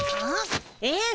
えっ？